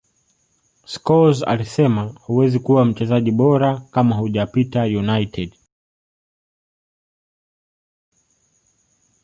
scholes alisema huwezi kuwa mchezaji bora kama hujapita united